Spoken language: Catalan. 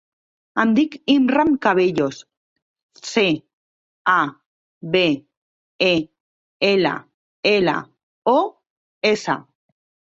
Em dic Imran Cabellos: ce, a, be, e, ela, ela, o, essa.